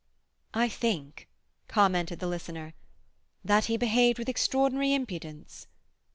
"I think," commented the listener, "that he behaved with extraordinary impudence."